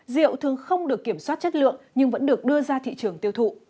rượu thường không được kiểm soát chất lượng nhưng vẫn được đưa ra thị trường tiêu thụ